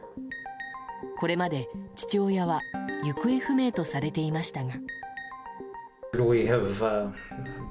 これまで父親は行方不明とされていましたが。